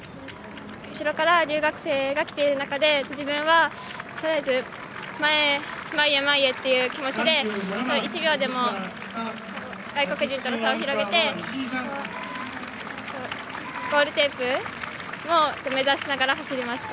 後ろから留学生が来ている中で自分はとりあえず前へ前へという気持ちで１秒でも外国人との差を広げてゴールテープを目指しながら走りました。